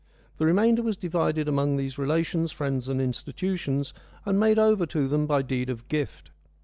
The remainder was divided among these relations, friends and institutions, and made over to them by deed of gift.